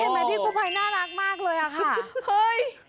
พี่กู้ภัยน่ารักมากเลยอะค่ะ